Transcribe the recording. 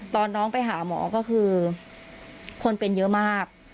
ตอนน้องไปหาหมอก็คือคนเป็นเยอะมาก